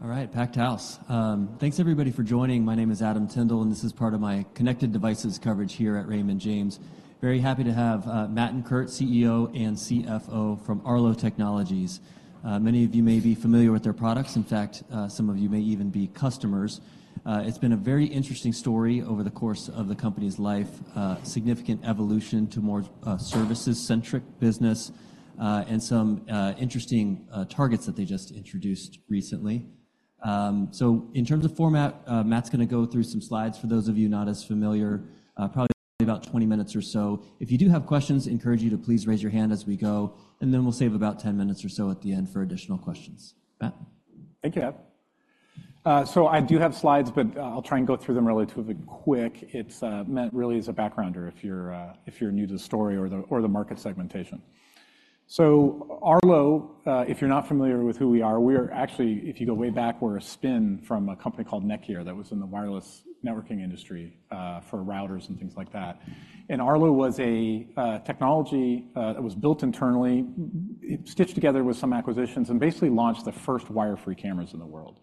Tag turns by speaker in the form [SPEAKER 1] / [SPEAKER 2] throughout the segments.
[SPEAKER 1] All right, packed house. Thanks everybody for joining. My name is Adam Tindle, and this is part of my connected devices coverage here at Raymond James. Very happy to have, Matt and Kurt, CEO and CFO from Arlo Technologies. Many of you may be familiar with their products. In fact, some of you may even be customers. It's been a very interesting story over the course of the company's life, significant evolution to more, services-centric business, and some, interesting, targets that they just introduced recently. So in terms of format, Matt's going to go through some slides for those of you not as familiar, probably about 20 minutes or so. If you do have questions, encourage you to please raise your hand as we go, and then we'll save about 10 minutes or so at the end for additional questions. Matt?
[SPEAKER 2] Thank you, Adam. So I do have slides, but I'll try and go through them relatively quick. It's meant really as a backgrounder if you're new to the story or the market segmentation. So Arlo, if you're not familiar with who we are, we are actually, if you go way back, we're a spin from a company called Netgear that was in the wireless networking industry for routers and things like that. And Arlo was a technology that was built internally, stitched together with some acquisitions, and basically launched the first wire-free cameras in the world.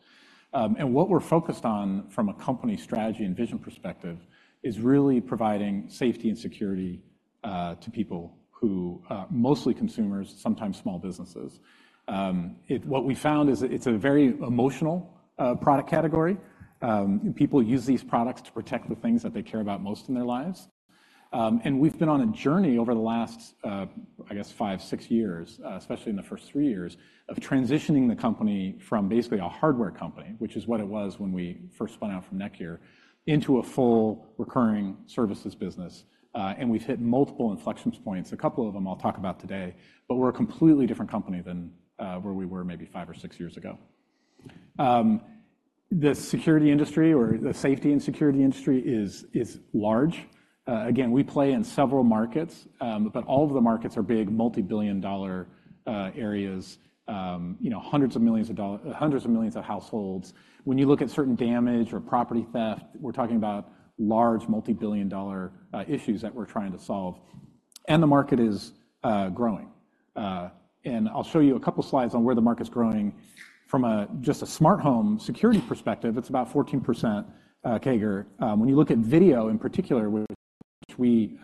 [SPEAKER 2] And what we're focused on from a company strategy and vision perspective is really providing safety and security to people who mostly consumers, sometimes small businesses. What we found is it's a very emotional product category. People use these products to protect the things that they care about most in their lives. And we've been on a journey over the last, I guess five, six years, especially in the first three years, of transitioning the company from basically a hardware company, which is what it was when we first spun out from Netgear, into a full recurring services business. And we've hit multiple inflection points. A couple of them I'll talk about today, but we're a completely different company than where we were maybe five or six years ago. The security industry or the safety and security industry is large. Again, we play in several markets, but all of the markets are big, multi-billion-dollar areas, you know, hundreds of millions of households. When you look at certain damage or property theft, we're talking about large multi-billion-dollar issues that we're trying to solve, and the market is growing. And I'll show you a couple of slides on where the market's growing. From just a smart home security perspective, it's about 14% CAGR. When you look at video in particular, which we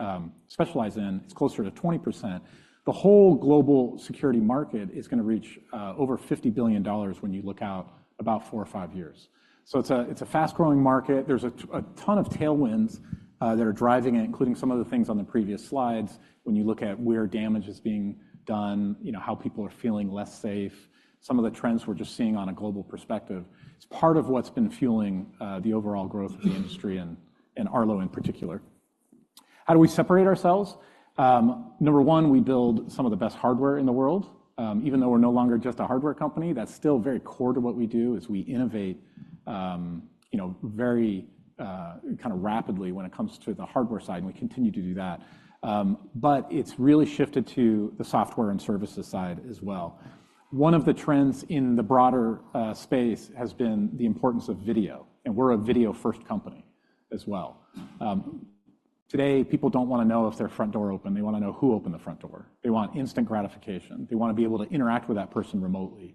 [SPEAKER 2] specialize in, it's closer to 20%. The whole global security market is going to reach over $50 billion when you look out about 4 or 5 years. So it's a fast-growing market. There's a ton of tailwinds that are driving it, including some of the things on the previous slides. When you look at where damage is being done, you know, how people are feeling less safe, some of the trends we're just seeing on a global perspective, it's part of what's been fueling the overall growth of the industry and, and Arlo in particular. How do we separate ourselves? Number one, we build some of the best hardware in the world. Even though we're no longer just a hardware company, that's still very core to what we do, is we innovate, you know, very kind of rapidly when it comes to the hardware side, and we continue to do that. But it's really shifted to the software and services side as well. One of the trends in the broader space has been the importance of video, and we're a video-first company as well. Today, people don't want to know if their front door opened. They want to know who opened the front door. They want instant gratification. They want to be able to interact with that person remotely.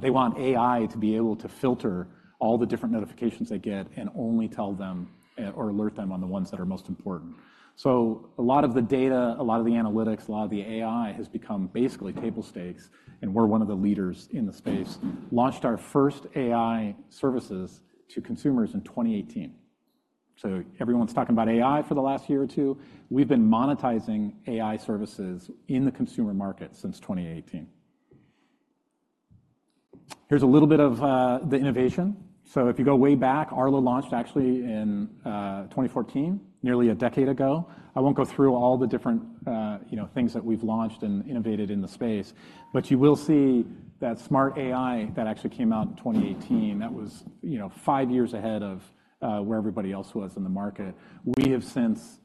[SPEAKER 2] They want AI to be able to filter all the different notifications they get and only tell them or alert them on the ones that are most important. So a lot of the data, a lot of the analytics, a lot of the AI has become basically table stakes, and we're one of the leaders in the space. Launched our first AI services to consumers in 2018. So everyone's talking about AI for the last year or two. We've been monetizing AI services in the consumer market since 2018. Here's a little bit of the innovation. So if you go way back, Arlo launched actually in 2014, nearly a decade ago. I won't go through all the different, you know, things that we've launched and innovated in the space, but you will see that smart AI that actually came out in 2018, that was, you know, five years ahead of where everybody else was in the market. We have since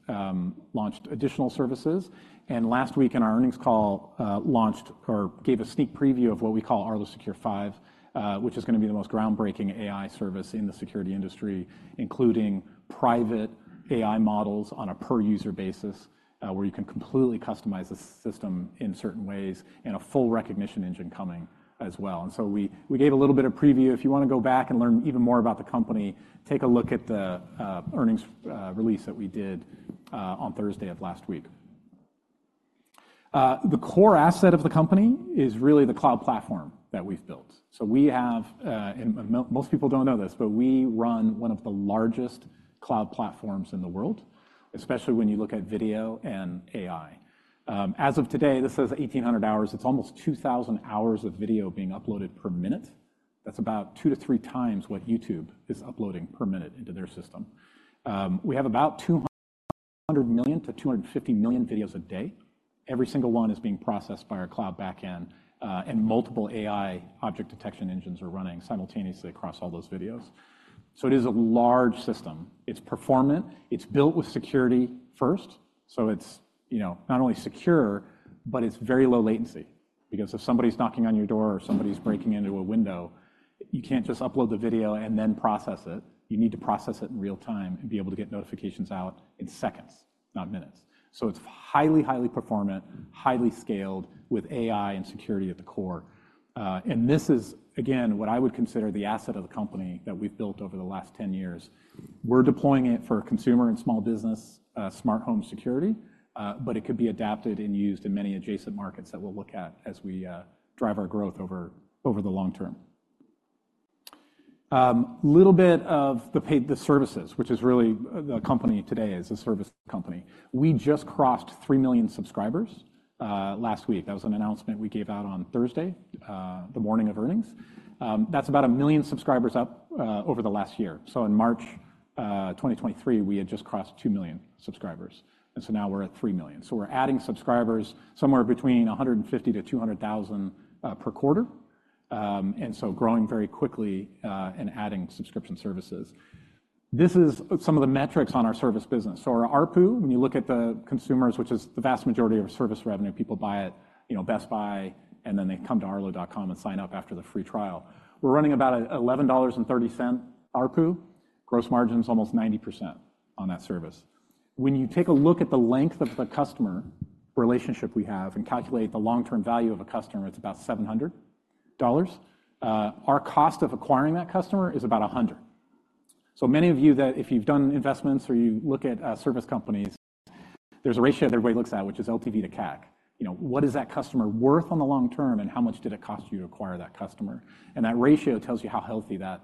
[SPEAKER 2] launched additional services, and last week in our earnings call, launched or gave a sneak preview of what we call Arlo Secure 5, which is going to be the most groundbreaking AI service in the security industry, including private AI models on a per-user basis, where you can completely customize the system in certain ways, and a full recognition engine coming as well. And so we gave a little bit of preview. If you want to go back and learn even more about the company, take a look at the earnings release that we did on Thursday of last week. The core asset of the company is really the cloud platform that we've built. So we have, most people don't know this, but we run one of the largest cloud platforms in the world, especially when you look at video and AI. As of today, this says 1,800 hours. It's almost 2,000 hours of video being uploaded per minute. That's about 2-3 times what YouTube is uploading per minute into their system. We have about 200 million-250 million videos a day. Every single one is being processed by our cloud back-end, and multiple AI object detection engines are running simultaneously across all those videos. So it is a large system. It's performant. It's built with security first, so it's, you know, not only secure, but it's very low latency, because if somebody's knocking on your door or somebody's breaking into a window... You can't just upload the video and then process it. You need to process it in real time and be able to get notifications out in seconds, not minutes. So it's highly, highly performant, highly scaled, with AI and security at the core. And this is, again, what I would consider the asset of the company that we've built over the last 10 years. We're deploying it for consumer and small business, smart home security, but it could be adapted and used in many adjacent markets that we'll look at as we drive our growth over the long term. Little bit of the services, which is really the company today is a service company. We just crossed 3 million subscribers last week. That was an announcement we gave out on Thursday, the morning of earnings. That's about a million subscribers up over the last year. So in March 2023, we had just crossed 2 million subscribers, and so now we're at 3 million. So we're adding subscribers somewhere between 150-200,000 per quarter. And so growing very quickly and adding subscription services. This is some of the metrics on our service business. So our ARPU, when you look at the consumers, which is the vast majority of our service revenue, people buy at, you know, Best Buy, and then they come to arlo.com and sign up after the free trial. We're running about $11.30 ARPU. Gross margin's almost 90% on that service. When you take a look at the length of the customer relationship we have and calculate the long-term value of a customer, it's about $700. Our cost of acquiring that customer is about $100. So many of you that if you've done investments or you look at service companies, there's a ratio everybody looks at, which is LTV to CAC. You know, what is that customer worth on the long term, and how much did it cost you to acquire that customer? And that ratio tells you how healthy that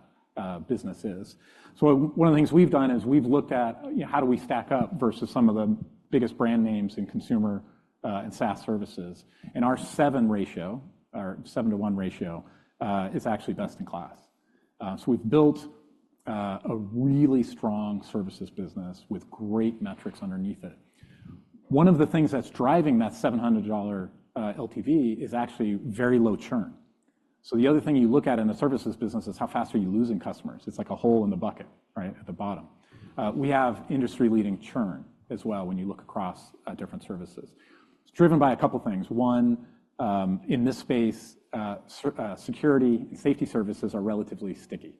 [SPEAKER 2] business is. So one of the things we've done is, we've looked at, you know, how do we stack up versus some of the biggest brand names in consumer and SaaS services. And our 7 ratio, our 7-to-1 ratio, is actually best in class. So we've built a really strong services business with great metrics underneath it. One of the things that's driving that $700 LTV is actually very low churn. So the other thing you look at in the services business is: How fast are you losing customers? It's like a hole in the bucket, right at the bottom. We have industry-leading churn as well when you look across different services. It's driven by a couple things. One, in this space, security and safety services are relatively sticky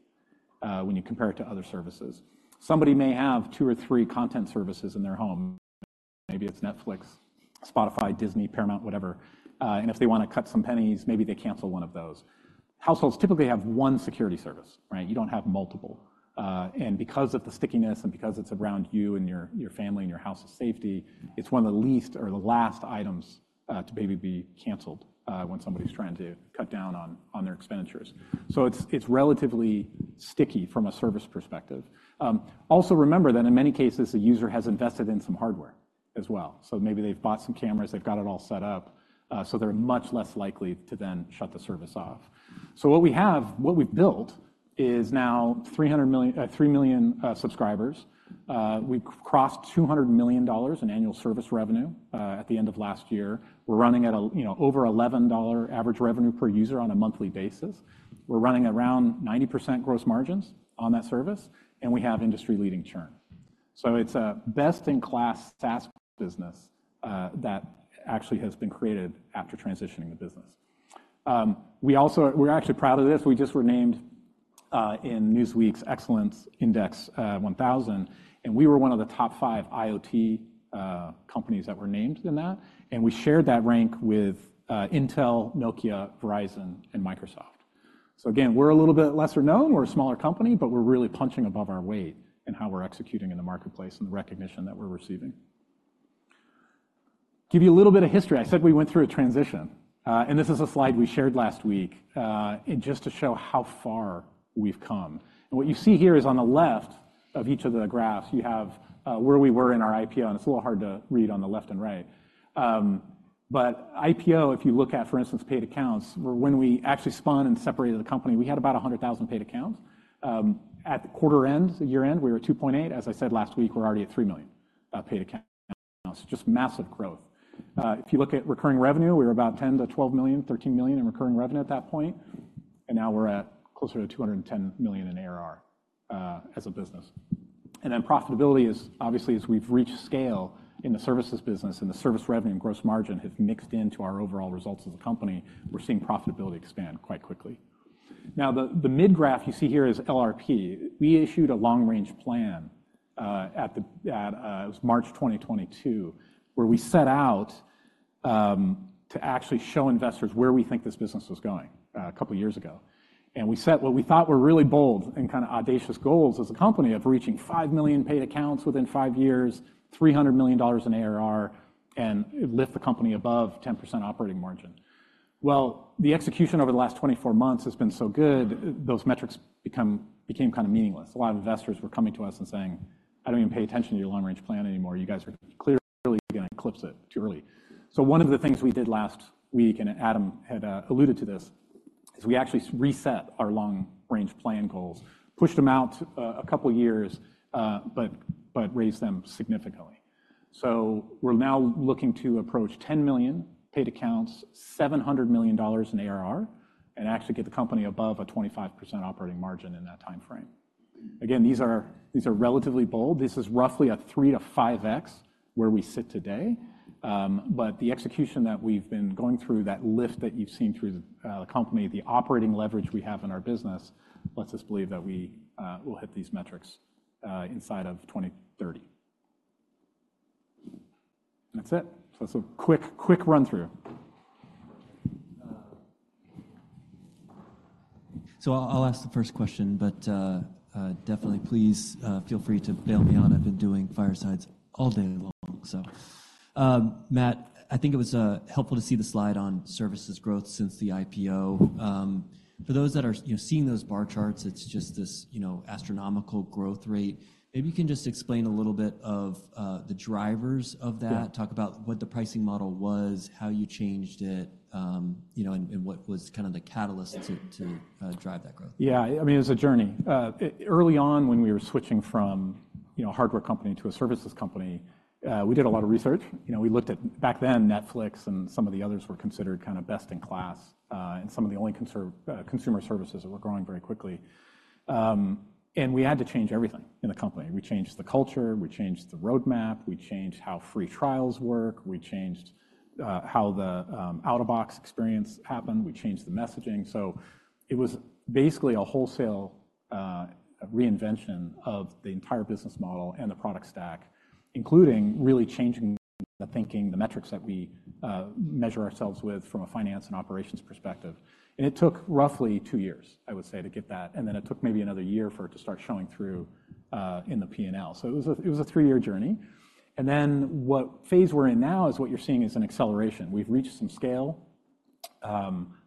[SPEAKER 2] when you compare it to other services. Somebody may have two or three content services in their home. Maybe it's Netflix, Spotify, Disney, Paramount, whatever. And if they want to cut some pennies, maybe they cancel one of those. Households typically have one security service, right? You don't have multiple. And because of the stickiness and because it's around you and your, your family and your house's safety, it's one of the least or the last items to maybe be canceled when somebody's trying to cut down on, on their expenditures. So it's, it's relatively sticky from a service perspective. Also remember that in many cases, a user has invested in some hardware as well. So maybe they've bought some cameras, they've got it all set up, so they're much less likely to then shut the service off. So what we have, what we've built is now 300 million... 3 million subscribers. We've crossed $200 million in annual service revenue at the end of last year. We're running at, you know, over $11 average revenue per user on a monthly basis. We're running around 90% gross margins on that service, and we have industry-leading churn. So it's a best-in-class SaaS business that actually has been created after transitioning the business. We're actually proud of this. We just were named in Newsweek's Excellence 1000 Index, and we were one of the top 5 IoT companies that were named in that, and we shared that rank with Intel, Nokia, Verizon, and Microsoft. So again, we're a little bit lesser-known, we're a smaller company, but we're really punching above our weight in how we're executing in the marketplace and the recognition that we're receiving. Give you a little bit of history. I said we went through a transition, and this is a slide we shared last week, and just to show how far we've come. What you see here is, on the left of each of the graphs, you have where we were in our IPO, and it's a little hard to read on the left and right. But IPO, if you look at, for instance, paid accounts, when we actually spun and separated the company, we had about 100,000 paid accounts. At the quarter end, year-end, we were at 2.8. As I said last week, we're already at 3 million paid accounts. So just massive growth. If you look at recurring revenue, we were about $10 million-$12 million, $13 million in recurring revenue at that point, and now we're at closer to $210 million in ARR as a business. Profitability is, obviously, as we've reached scale in the services business and the service revenue and gross margin have mixed into our overall results as a company, we're seeing profitability expand quite quickly. Now, the mid graph you see here is LRP. We issued a long-range plan at the, it was March 2022, where we set out to actually show investors where we think this business was going, a couple of years ago. We set what we thought were really bold and kind of audacious goals as a company of reaching 5 million paid accounts within 5 years, $300 million in ARR, and lift the company above 10% operating margin. Well, the execution over the last 24 months has been so good, those metrics became kind of meaningless. A lot of investors were coming to us and saying: "I don't even pay attention to your long-range plan anymore. You guys are clearly gonna eclipse it too early." So one of the things we did last week, and Adam had alluded to this, is we actually reset our long-range plan goals, pushed them out a couple of years, but raised them significantly. So we're now looking to approach 10 million paid accounts, $700 million in ARR, and actually get the company above a 25% operating margin in that time frame. Again, these are relatively bold. This is roughly a 3-5x where we sit today. But the execution that we've been going through, that lift that you've seen through the, the company, the operating leverage we have in our business, lets us believe that we, will hit these metrics, inside of 2030. That's it. So that's a quick, quick run-through.
[SPEAKER 1] So I'll ask the first question, but definitely please feel free to bail me out. I've been doing firesides all day long. So, Matt, I think it was helpful to see the slide on services growth since the IPO. For those that are, you know, seeing those bar charts, it's just this, you know, astronomical growth rate. Maybe you can just explain a little bit of the drivers of that.
[SPEAKER 2] Yeah.
[SPEAKER 1] Talk about what the pricing model was, how you changed it, you know, and what was kind of the catalyst to drive that growth?
[SPEAKER 2] Yeah, I mean, it was a journey. Early on, when we were switching from, you know, a hardware company to a services company, we did a lot of research. You know, we looked at, back then, Netflix and some of the others were considered kind of best in class, and some of the only consumer services that were growing very quickly. And we had to change everything in the company. We changed the culture, we changed the roadmap, we changed how free trials work, we changed how the out-of-box experience happened, we changed the messaging. So it was basically a wholesale reinvention of the entire business model and the product stack, including really changing the thinking, the metrics that we measure ourselves with from a finance and operations perspective. It took roughly two years, I would say, to get that, and then it took maybe another year for it to start showing through in the P&L. It was a three-year journey, and then what phase we're in now is what you're seeing is an acceleration. We've reached some scale.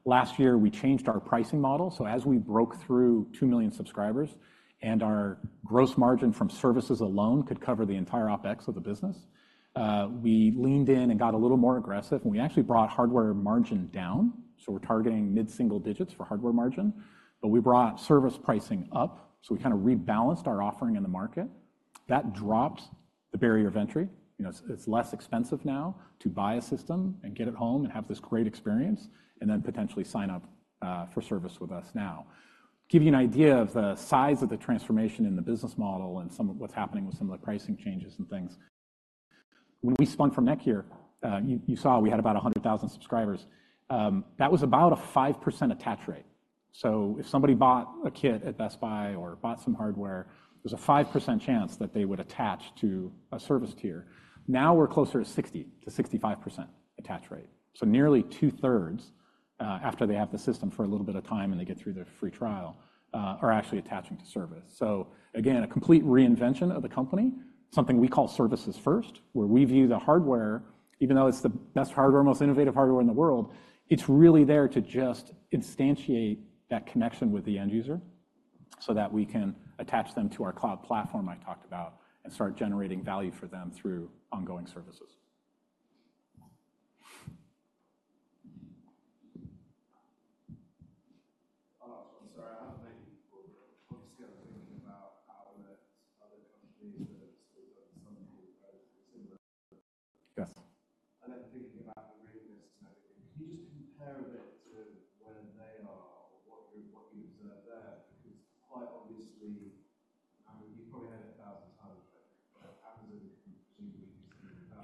[SPEAKER 2] Last year, we changed our pricing model, so as we broke through 2 million subscribers, and our gross margin from services alone could cover the entire OpEx of the business. We leaned in and got a little more aggressive, and we actually brought hardware margin down, so we're targeting mid-single digits for hardware margin, but we brought service pricing up, so we kind of rebalanced our offering in the market. That drops the barrier of entry. You know, it's less expensive now to buy a system and get it home and have this great experience, and then potentially sign up for service with us now. Give you an idea of the size of the transformation in the business model and some of what's happening with some of the pricing changes and things. When we spun from Netgear, you saw we had about 100,000 subscribers. That was about a 5% attach rate. So if somebody bought a kit at Best Buy or bought some hardware, there's a 5% chance that they would attach to a service tier. Now, we're closer to 60%-65% attach rate. So nearly two-thirds, after they have the system for a little bit of time and they get through their free trial, are actually attaching to service. So again, a complete reinvention of the company, something we call services first, where we view the hardware, even though it's the best hardware, most innovative hardware in the world, it's really there to just instantiate that connection with the end user so that we can attach them to our cloud platform I talked about and start generating value for them through ongoing services.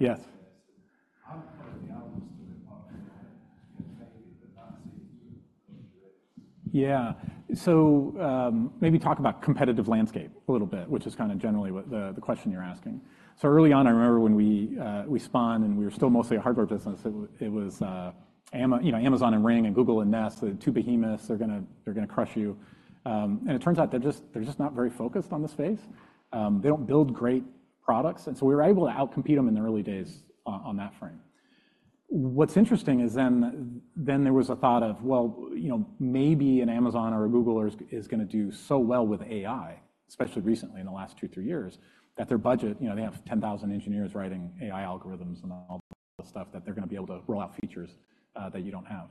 [SPEAKER 3] Sorry, I have maybe obviously been thinking about how other, other companies, some similar.
[SPEAKER 2] Yes.
[SPEAKER 3] And then thinking about the Ring list and everything. Can you just compare a bit to where they are or what you, what you observe there? Because quite obviously, you've probably heard it 1,000 times, but Amazon, presumably...
[SPEAKER 2] Yes.
[SPEAKER 3] The elements to it, but, maybe that seems to...
[SPEAKER 2] Yeah. So, maybe talk about competitive landscape a little bit, which is kind of generally what the question you're asking. So early on, I remember when we spun, and we were still mostly a hardware business. It was, you know, Amazon and Ring and Google and Nest, the two behemoths, they're gonna crush you. And it turns out they're just not very focused on the space. They don't build great products, and so we were able to outcompete them in the early days on that frame. What's interesting is then there was a thought of, well, you know, maybe an Amazon or a Google is gonna do so well with AI, especially recently in the last 2-3 years, that their budget, you know, they have 10,000 engineers writing AI algorithms and all the stuff, that they're gonna be able to roll out features that you don't have.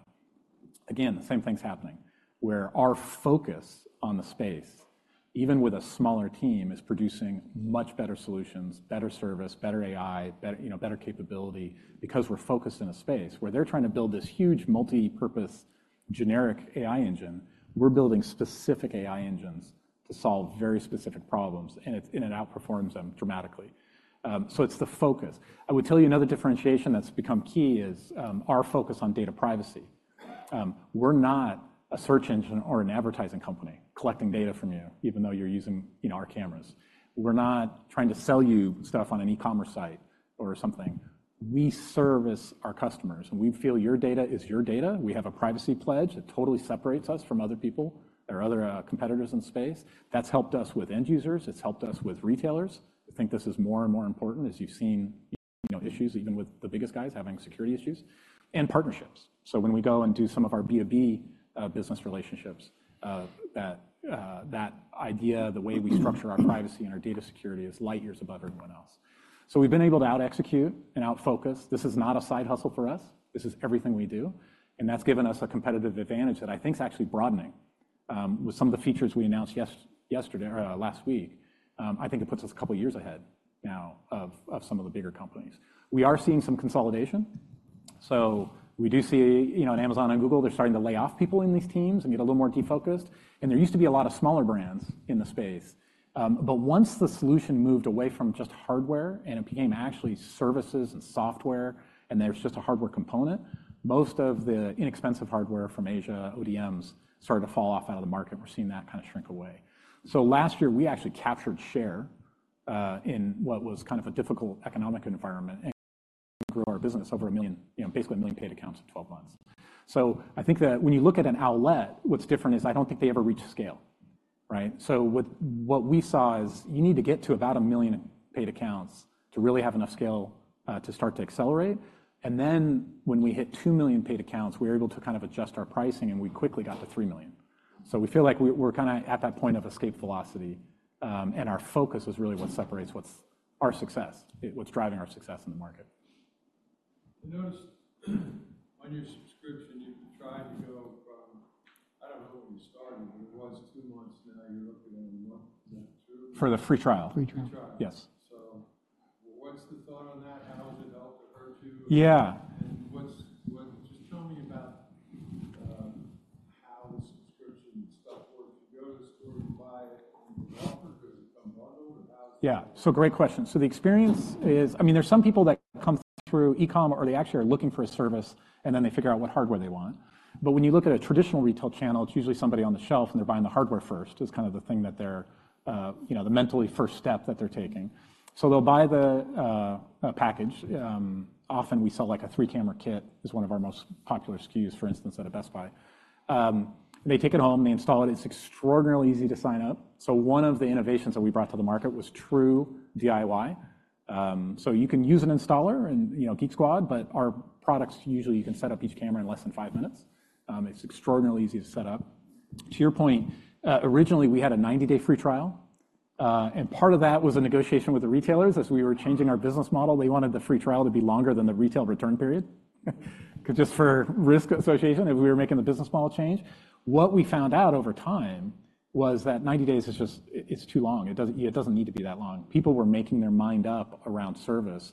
[SPEAKER 2] Again, the same thing's happening, where our focus on the space, even with a smaller team, is producing much better solutions, better service, better AI, better, you know, better capability because we're focused in a space. Where they're trying to build this huge, multipurpose, generic AI engine, we're building specific AI engines to solve very specific problems, and it outperforms them dramatically. So it's the focus. I would tell you another differentiation that's become key is our focus on data privacy. We're not a search engine or an advertising company collecting data from you, even though you're using, you know, our cameras. We're not trying to sell you stuff on an e-commerce site or something. We service our customers, and we feel your data is your data. We have a privacy pledge that totally separates us from other people or other competitors in the space. That's helped us with end users, it's helped us with retailers. I think this is more and more important, as you've seen, you know, issues, even with the biggest guys having security issues and partnerships. So when we go and do some of our B2B business relationships, that idea, the way we structure our privacy and our data security, is light years above everyone else. So we've been able to out execute and out focus. This is not a side hustle for us. This is everything we do, and that's given us a competitive advantage that I think is actually broadening with some of the features we announced yesterday, last week. I think it puts us a couple of years ahead now of some of the bigger companies. We are seeing some consolidation. So we do see, you know, in Amazon and Google, they're starting to lay off people in these teams and get a little more defocused. And there used to be a lot of smaller brands in the space. But once the solution moved away from just hardware, and it became actually services and software, and there's just a hardware component, most of the inexpensive hardware from Asia, ODMs, started to fall off out of the market. We're seeing that kind of shrink away. So last year, we actually captured share in what was kind of a difficult economic environment, and grew our business over 1 million, you know, basically, 1 million paid accounts in 12 months. So I think that when you look at an outlet, what's different is I don't think they ever reach scale, right? So what we saw is you need to get to about 1 million paid accounts to really have enough scale to start to accelerate. And then when we hit 2 million paid accounts, we were able to kind of adjust our pricing, and we quickly got to 3 million. So we feel like we're kinda at that point of escape velocity, and our focus is really what separates what's our success, what's driving our success in the market.
[SPEAKER 4] I noticed on your subscription, you've tried to go from... I don't know where you started, but it was two months, now you're up to a month. Is that true?
[SPEAKER 2] For the free trial.
[SPEAKER 4] Free trial.
[SPEAKER 2] Yes.
[SPEAKER 4] What's the thought on that? How has it helped or hurt you?
[SPEAKER 2] Yeah.
[SPEAKER 4] Just tell me about how the subscription stuff works. If you go to the store, do you buy it on the offer? 'Cause it's unbundled or how?
[SPEAKER 2] Yeah. So great question. So the experience is, I mean, there are some people that come through e-com, or they actually are looking for a service, and then they figure out what hardware they want. But when you look at a traditional retail channel, it's usually somebody on the shelf, and they're buying the hardware first, is kind of the thing that they're, you know, the mentally first step that they're taking. So they'll buy the package. Often we sell, like a three-camera kit, is one of our most popular SKUs, for instance, at a Best Buy. They take it home, they install it. It's extraordinarily easy to sign up. So one of the innovations that we brought to the market was true DIY. So you can use an installer and, you know, Geek Squad, but our products, usually you can set up each camera in less than five minutes. It's extraordinarily easy to set up. To your point, originally, we had a 90-day free trial, and part of that was a negotiation with the retailers. As we were changing our business model, they wanted the free trial to be longer than the retail return period, 'cause just for risk association, if we were making the business model change. What we found out over time was that 90 days is just, it's too long. It doesn't, it doesn't need to be that long. People were making their mind up around service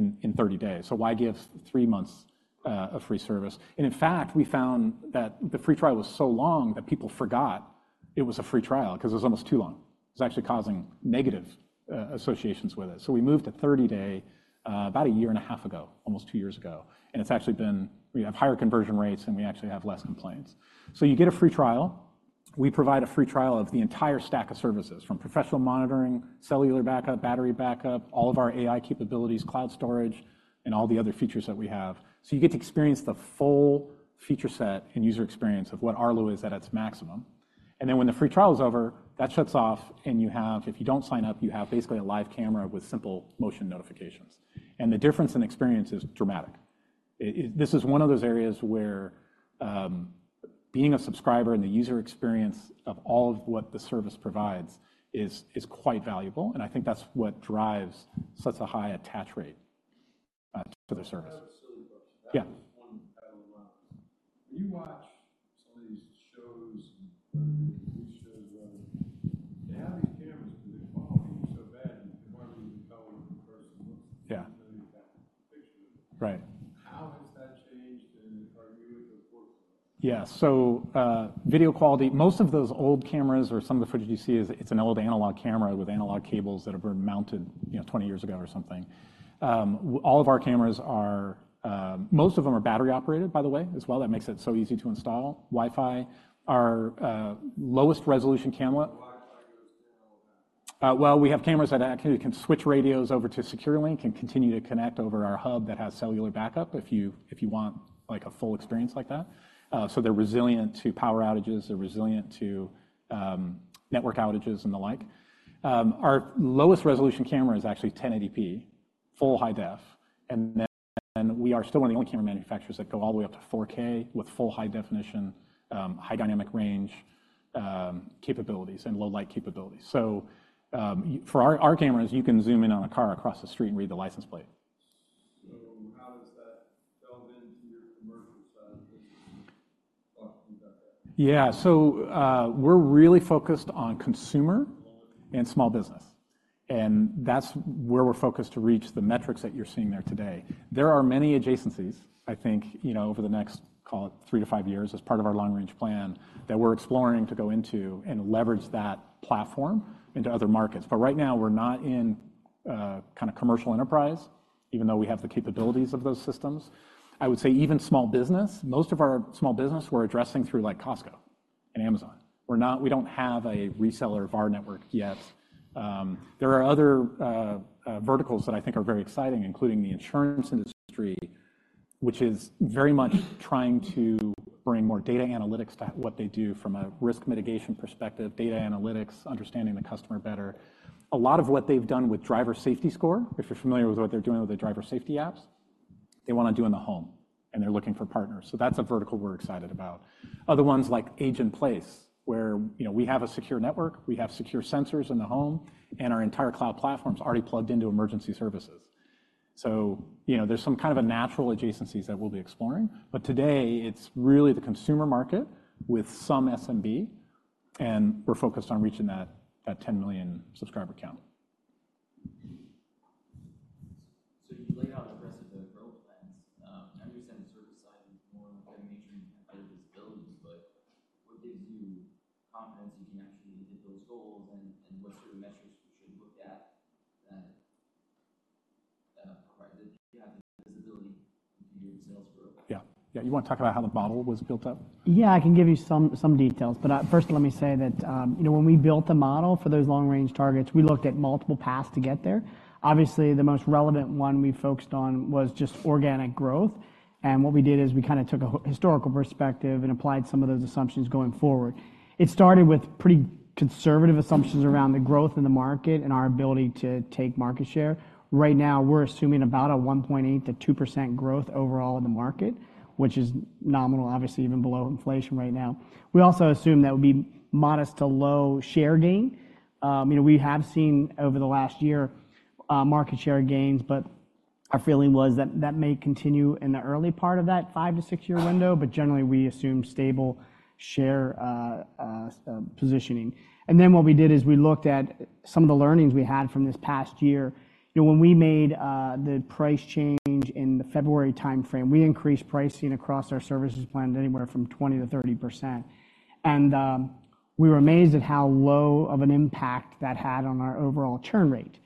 [SPEAKER 2] in 30 days. So why give three months of free service? And in fact, we found that the free trial was so long that people forgot it was a free trial 'cause it was almost too long. It was actually causing negative associations with it. So we moved to 30-day, about a year and a half ago, almost two years ago, and it's actually been... We have higher conversion rates, and we actually have less complaints. So you get a free trial. We provide a free trial of the entire stack of services, from professional monitoring, cellular backup, battery backup, all of our AI capabilities, cloud storage, and all the other features that we have. So you get to experience the full feature set and user experience of what Arlo is at its maximum. Then when the free trial is over, that shuts off, and you have, if you don't sign up, you have basically a live camera with simple motion notifications. The difference in experience is dramatic. This is one of those areas where, being a subscriber and the user experience of all of what the service provides is quite valuable, and I think that's what drives such a high attach rate to the service.
[SPEAKER 4] I have a silly question.
[SPEAKER 2] Yeah.
[SPEAKER 4] One that comes to mind. When you watch some of these shows, whether they're police shows or whatever, they have these cameras, but the quality is so bad, you can't really tell what the person looks-
[SPEAKER 2] Yeah.
[SPEAKER 4] like that picture.
[SPEAKER 2] Right.
[SPEAKER 4] How has that changed, and are you able to afford it?
[SPEAKER 2] Yeah, so, video quality, most of those old cameras or some of the footage you see is, it's an old analog camera with analog cables that have been mounted, you know, 20 years ago or something. All of our cameras are... Most of them are battery-operated, by the way, as well. That makes it so easy to install, Wi-Fi. Our lowest resolution camera-
[SPEAKER 4] Wi-Fi is still,
[SPEAKER 2] Well, we have cameras that actually can switch radios over to SecureLink and continue to connect over our hub that has cellular backup if you, if you want, like, a full experience like that. So they're resilient to power outages, they're resilient to network outages and the like. Our lowest resolution camera is actually 1080p, full high def, and then we are still one of the only camera manufacturers that go all the way up to 4K with full high definition, high dynamic range, capabilities and low light capabilities. So, for our cameras, you can zoom in on a car across the street and read the license plate.
[SPEAKER 4] So how does that delve into your commercial side of the... Talk about that.
[SPEAKER 2] Yeah, so, we're really focused on consumer-
[SPEAKER 4] Quality
[SPEAKER 2] - and small business, and that's where we're focused to reach the metrics that you're seeing there today. There are many adjacencies, I think, you know, over the next, call it 3-5 years, as part of our long-range plan, that we're exploring to go into and leverage that platform into other markets. But right now, we're not in kinda commercial enterprise, even though we have the capabilities of those systems. I would say even small business, most of our small business we're addressing through, like, Costco and Amazon. We're not-- We don't have a reseller of our network yet. There are other verticals that I think are very exciting, including the insurance industry, which is very much trying to bring more data analytics to what they do from a risk mitigation perspective, data analytics, understanding the customer better. A lot of what they've done with driver safety score, if you're familiar with what they're doing with the driver safety apps, they wanna do in the home, and they're looking for partners. So that's a vertical we're excited about. Other ones, like Age in Place, where, you know, we have a secure network, we have secure sensors in the home, and our entire cloud Platform is already plugged into emergency services. So, you know, there's some kind of a natural adjacencies that we'll be exploring, but today it's really the consumer market with some SMB, and we're focused on reaching that, that 10 million subscriber count.
[SPEAKER 5] So you laid out aggressive growth plans. I understand the service side is more like a major visibility, but what gives you confidence you can actually hit those goals? And what sort of metrics we should look at that you have the visibility in your sales growth?
[SPEAKER 2] Yeah. Yeah, you want to talk about how the model was built up?
[SPEAKER 6] Yeah, I can give you some details. But first let me say that, you know, when we built the model for those long-range targets, we looked at multiple paths to get there. Obviously, the most relevant one we focused on was just organic growth, and what we did is we kind of took a historical perspective and applied some of those assumptions going forward. It started with pretty conservative assumptions around the growth in the market and our ability to take market share. Right now, we're assuming about a 1.8%-2% growth overall in the market, which is nominal, obviously even below inflation right now. We also assume there would be modest to low share gain. You know, we have seen over the last year market share gains, but our feeling was that that may continue in the early part of that 5- to 6-year window, but generally, we assume stable share positioning. And then what we did is we looked at some of the learnings we had from this past year. You know, when we made the price change in the February timeframe, we increased pricing across our services planned anywhere from 20%-30%. And we were amazed at how low of an impact that had on our overall churn rate.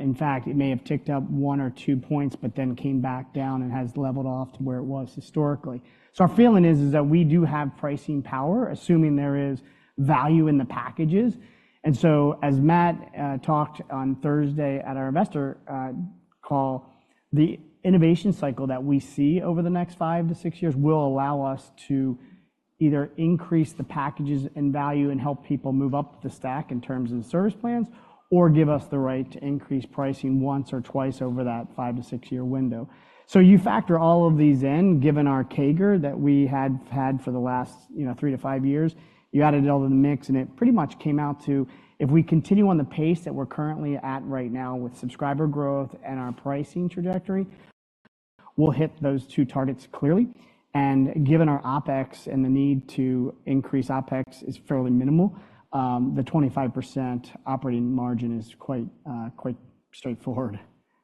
[SPEAKER 6] In fact, it may have ticked up 1 or 2 points, but then came back down and has leveled off to where it was historically. So our feeling is that we do have pricing power, assuming there is value in the packages. And so, as Matt talked on Thursday at our investor call, the innovation cycle that we see over the next 5-6 years will allow us to either increase the packages and value and help people move up the stack in terms of service plans, or give us the right to increase pricing once or twice over that 5-6-year window. So you factor all of these in, given our CAGR that we had had for the last, you know, 3-5 years, you add it all to the mix, and it pretty much came out to, if we continue on the pace that we're currently at right now with subscriber growth and our pricing trajectory, we'll hit those two targets clearly. And given our OpEx and the need to increase OpEx is fairly minimal, the 25% operating margin is quite, quite straightforward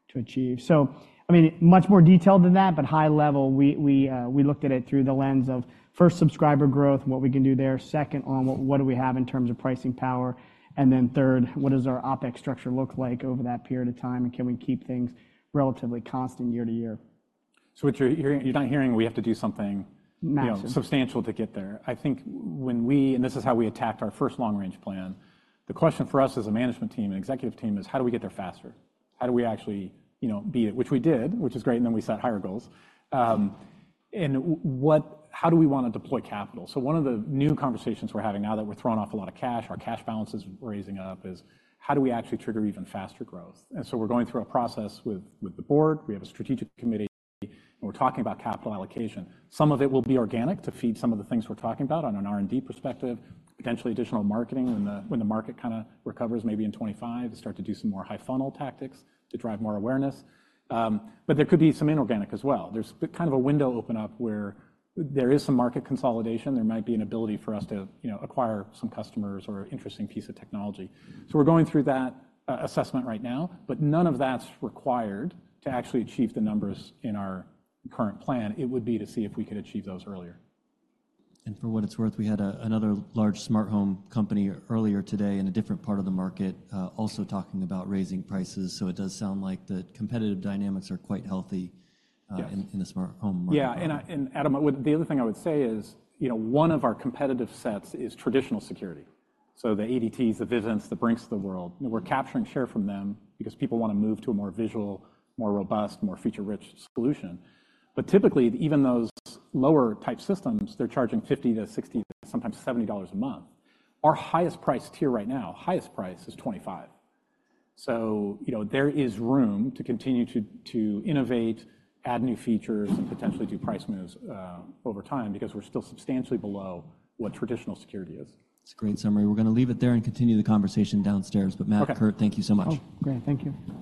[SPEAKER 6] to achieve. So, I mean, much more detailed than that, but high level, we looked at it through the lens of, first, subscriber growth, what we can do there. Second, on what do we have in terms of pricing power? And then third, what does our OpEx structure look like over that period of time, and can we keep things relatively constant year-to-year?
[SPEAKER 2] So what you're not hearing, we have to do something.
[SPEAKER 6] Maximum...
[SPEAKER 2] you know, substantial to get there. I think when we and this is how we attacked our first long-range plan. The question for us as a management team and executive team is: how do we get there faster? How do we actually, you know, be at, which we did, which is great, and then we set higher goals. And what, how do we want to deploy capital? So one of the new conversations we're having now that we're throwing off a lot of cash, our cash balance is rising up, is: how do we actually trigger even faster growth? And so we're going through a process with the board. We have a strategic committee, and we're talking about capital allocation. Some of it will be organic to feed some of the things we're talking about on an R&D perspective, potentially additional marketing when the market kind of recovers, maybe in 25, and start to do some more high funnel tactics to drive more awareness. But there could be some inorganic as well. There's kind of a window open up where there is some market consolidation. There might be an ability for us to, you know, acquire some customers or interesting piece of technology. So we're going through that assessment right now, but none of that's required to actually achieve the numbers in our current plan. It would be to see if we could achieve those earlier.
[SPEAKER 1] For what it's worth, we had another large smart home company earlier today in a different part of the market, also talking about raising prices. So it does sound like the competitive dynamics are quite healthy.
[SPEAKER 2] Yeah...
[SPEAKER 1] in the smart home market.
[SPEAKER 2] Yeah, and Adam, the other thing I would say is, you know, one of our competitive sets is traditional security. So the ADTs, the Vivints, the Brink's of the world, we're capturing share from them because people want to move to a more visual, more robust, more feature-rich solution. But typically, even those lower type systems, they're charging $50-$60, sometimes $70 a month. Our highest price tier right now, highest price, is $25. So, you know, there is room to continue to innovate, add new features, and potentially do price moves over time, because we're still substantially below what traditional security is.
[SPEAKER 1] It's a great summary. We're going to leave it there and continue the conversation downstairs.
[SPEAKER 2] Okay.
[SPEAKER 1] Matt, Kurt, thank you so much.
[SPEAKER 6] Oh, great. Thank you.